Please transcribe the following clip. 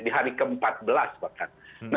di hari ke empat belas bahkan